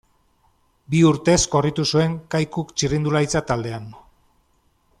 Bi urtez korritu zuen Kaiku txirrindularitza taldean.